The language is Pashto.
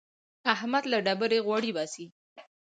احمد له ډبرې غوړي باسي.